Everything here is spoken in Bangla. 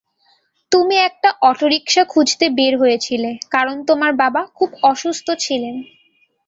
তুমি একটা অটোরিকশা খুঁজতে বের হয়েছিলে কারণ তোমার বাবা খুব অসুস্থ ছিলেন।